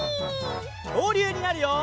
きょうりゅうになるよ！